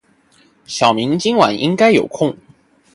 小明今晚应该有空。